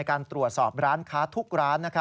ก็คาดว่า